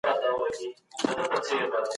بریا ترلاسه کړئ.